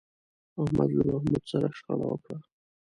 احمد له محمود سره شخړه وکړه.